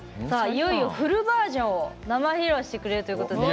いよいよフルバージョンを生披露してくれるということで。